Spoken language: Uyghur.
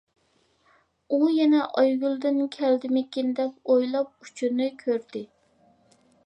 ئۇ يەنە ئايگۈلدىن كەلدىمىكىن دەپ ئويلاپ ئۇچۇرنى كۆردى.